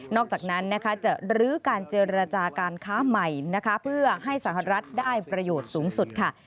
นอกจากนั้นจะรื้อการเจรจาการค้าใหม่ให้สหรัฐได้ประโยชน์สูงสุด